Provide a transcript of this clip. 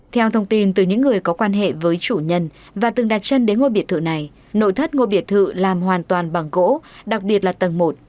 theo thông tin từ những người có quan hệ với chủ nhân và từng đặt chân đến ngôi biệt thự này nội thất ngôi biệt thự làm hoàn toàn bằng gỗ đặc biệt là tầng một